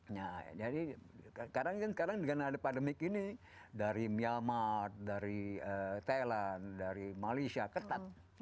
nah jadi kadang kan sekarang dengan ada pandemik ini dari myanmar dari thailand dari malaysia ketat